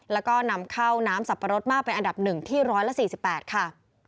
แล้วก็นำเข้าน้ำสับปะรดมากเป็นอันดับ๑ที่๑๔๘ค่ะ